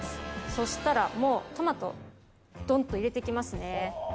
そしたらもうトマトドンと入れて行きますね。